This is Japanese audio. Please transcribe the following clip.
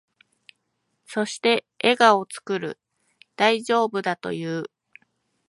そして、笑顔を作る。大丈夫だと言う。